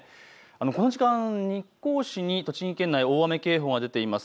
この時間、日光市に大雨警報が出ています。